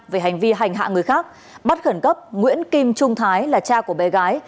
về hành vi hành hạ người khác bắt khẩn cấp nguyễn kim trung thái là cha của bé gái